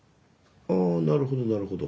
あなるほどなるほど。